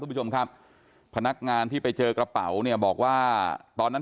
ผู้ชมครับพนักงานที่ไปเจอกระเป๋าเนี่ยบอกว่าตอนนั้น